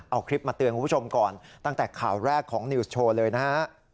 เอาคลิปมาเตือนคุณผู้ชมก่อนตั้งแต่ข่าวแรกของนิวส์โชว์เลยนะฮะ